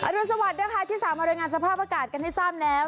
รุนสวัสดิ์นะคะที่สามารถรายงานสภาพอากาศกันให้ทราบแล้ว